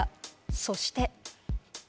そして。